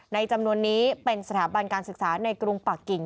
จำนวนนี้เป็นสถาบันการศึกษาในกรุงปากกิ่ง